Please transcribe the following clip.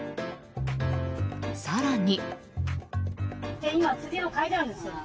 更に。